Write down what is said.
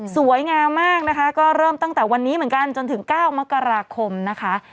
สวยงามมากนะคะก็เริ่มตั้งแต่วันนี้เหมือนกันจนถึง๙มกราคมนะคะ